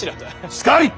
しかり。